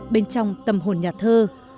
bên trong tâm hồn nhà thơ